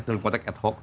dalam konteks ad hoc